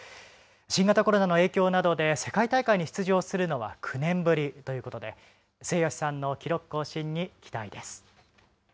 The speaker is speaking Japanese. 新型コロナの影響などで世界大会に出場するのは９年ぶりということで末吉さんの記録更新に期待です。